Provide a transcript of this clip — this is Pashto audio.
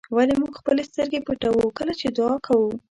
ولې موږ خپلې سترګې پټوو کله چې دعا کوو.